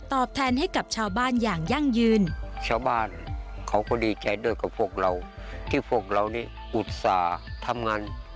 ตอบแทนให้กับชาวบ้านอย่างยั่งยืน